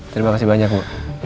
terima kasih banyak bu